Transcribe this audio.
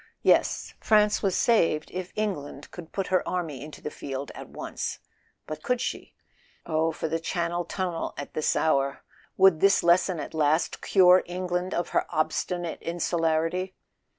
Yes; France was saved if England could put her army into the field at once. But could she ? Oh, for the Channel tunnel at this hour! Would this lesson at last cure England of her obstinate insularity?